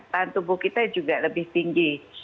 tahan tubuh kita juga lebih tinggi